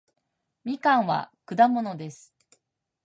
みかんは果物です